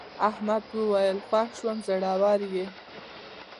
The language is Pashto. احمد وویل خوښ شوم زړور یې.